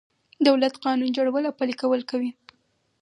دولت قانون جوړول او پلي کول کوي.